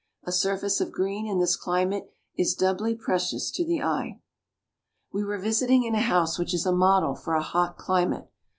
A surface of green in this climate is doubly precious to the eye. We were visiting in a house which is a model for a hot climate.